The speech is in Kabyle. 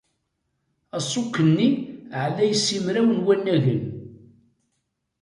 Aṣuk-nni ɛlay simraw n wannagen.